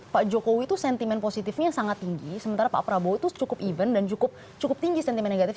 pak jokowi itu sentimen positifnya sangat tinggi sementara pak prabowo itu cukup even dan cukup tinggi sentimen negatif